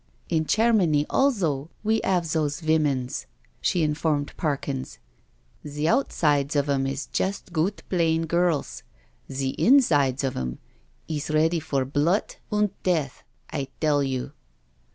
'* In Chairmany alzo we 'ave does vinmions/' she infonned Parkins, *' dee out sides of 'em is jest goot blain gurls— dee insides of 'em is ready for blut unt death, I dell you."